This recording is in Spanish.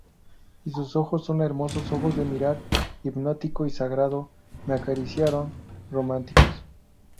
y sus ojos, sus hermosos ojos de mirar hipnótico y sagrado, me acariciaron románticos.